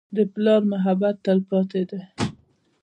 د پلار محبت تلپاتې دی.